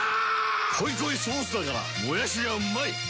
濃い濃いソースだからもやしがうまい‼